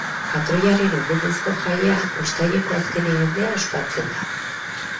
Patroiaren omenezko jaia uztaileko azken igandean ospatzen da.